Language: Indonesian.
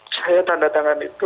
saya tanda tangan itu